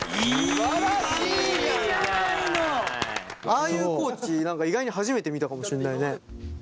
ああいう地何か意外に初めて見たかもしんないね。